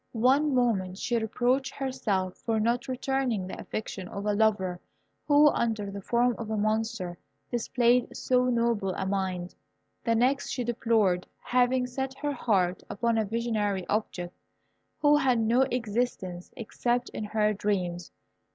One moment she reproached herself for not returning the affection of a lover who, under the form of a monster, displayed so noble a mind; the next she deplored having set her heart upon a visionary object, who had no existence except in her dreams.